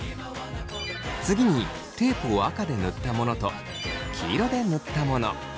次にテープを赤で塗ったものと黄色で塗ったもの。